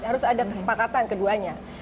harus ada kesepakatan keduanya